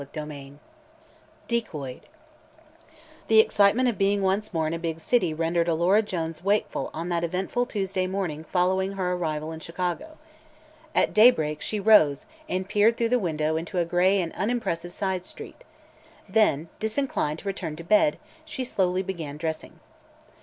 CHAPTER XIX DECOYED The excitement of being once more in a big city rendered Alora Jones wakeful on that eventful Tuesday morning following her arrival in Chicago. At daybreak she rose and peered trough the window into a gray and unimpressive side street; then, disinclined to return to bed, she slowly began dressing.